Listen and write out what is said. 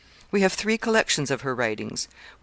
We have three collections of her writings: 1.